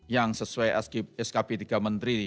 yang sesuai skp tiga menteri